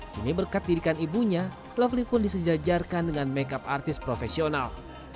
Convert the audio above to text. kini berkat dirikan ibunya rafli pun disejajarkan dengan makeup artis profesional